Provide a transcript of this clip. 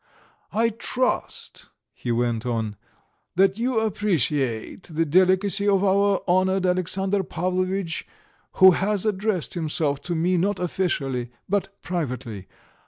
"I trust," he went on, "that you appreciate the delicacy of our honoured Alexandr Pavlovitch, who has addressed himself to me not officially, but privately.